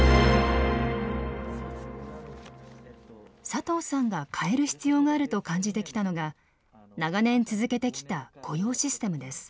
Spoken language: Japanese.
佐藤さんが変える必要があると感じてきたのが長年続けてきた雇用システムです。